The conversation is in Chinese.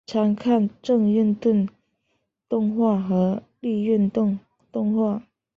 参看正运动动画和逆运动动画。